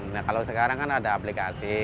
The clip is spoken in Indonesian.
nah kalau sekarang kan ada aplikasi